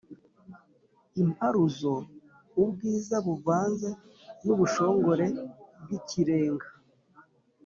imparuzo: ubwiza buvanze n’ubushongore bw’ikirenga